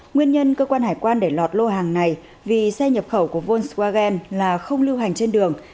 nguyên nhân cơ quan hải quan để lọt lô hàng này vì xe nhập khẩu của volkswagen là không lưu hành trên đường